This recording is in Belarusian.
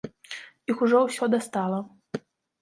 Іх ужо ўсё дастала.